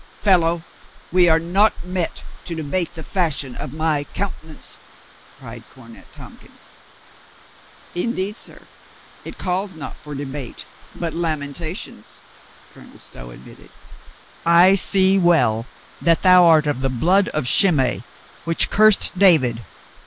"Fellow, we are not met to debate the fashion of my countenance," cried Cornet Tompkins. "Indeed, sir, it calls not for debate, but lamenta tions," Colonel Stow admitted. "I see well that thou art of the blood of Shimei which cursed David.